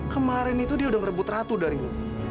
kemarin itu dia udah ngerebut ratu dari lo